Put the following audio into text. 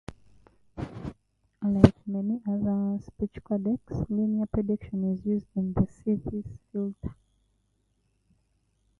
Like many other speech codecs, linear prediction is used in the synthesis filter.